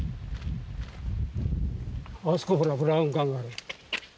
あそこほらブラウン管がある。